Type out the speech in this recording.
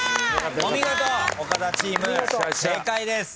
お見事岡田チーム正解です。